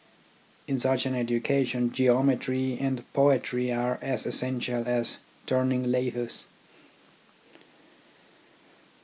In such an education geometry and poetry are as essential as turning lathes.